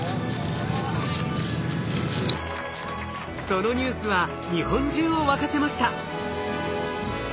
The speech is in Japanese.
そのニュースは日本中を沸かせました。